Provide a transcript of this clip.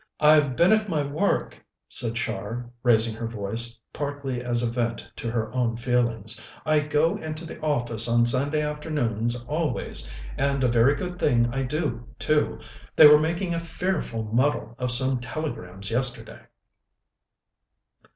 "I've been at my work," said Char, raising her voice, partly as a vent to her own feelings. "I go into the office on Sunday afternoons always, and a very good thing I do, too. They were making a fearful muddle of some telegrams yesterday."